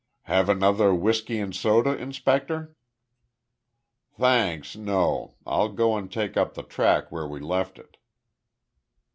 "Have another whisky and soda, inspector?" "Thanks, no. I'll go and take up the track where we left it."